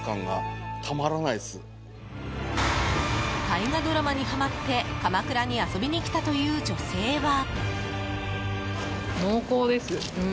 大河ドラマにハマって鎌倉に遊びに来たという女性は。